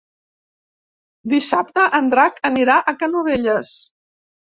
Dissabte en Drac anirà a Canovelles.